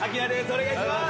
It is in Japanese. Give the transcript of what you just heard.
お願いします。